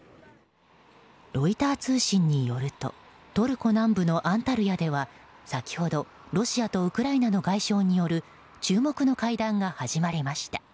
ロイター通信によるとトルコ南部のアンタルヤでは先ほどロシアとウクライナの外相による注目の会談が始まりました。